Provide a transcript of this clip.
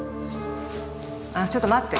あっちょっと待って。